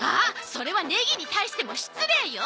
それはネギに対しても失礼よ！